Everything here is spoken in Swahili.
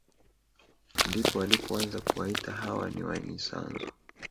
Ndipo walipoanza kuwaita hawa ni wanyisanzu